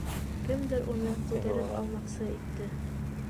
Кемдер уны күтәреп алмаҡсы итте: